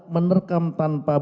menerkam tanpa belah